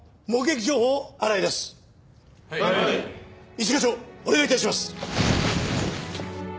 一課長お願い致します。